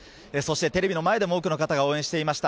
テレビの前でも多くの方が応援していました。